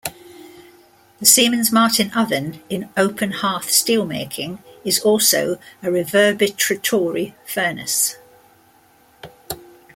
The Siemens-Martin oven in open hearth steelmaking is also a reverbetratory furnace.